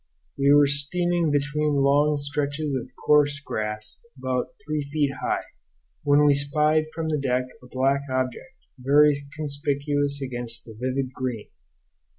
We were steaming between long stretches of coarse grass, about three feet high, when we spied from the deck a black object, very conspicuous against the vivid green.